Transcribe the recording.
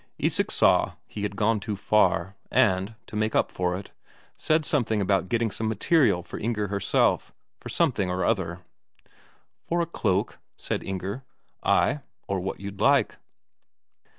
Isak saw he had gone too far, and, to make up for it, said something about getting some material for Inger herself, for something or other. "For a cloak?" said Inger. "Ay, or what you'd like."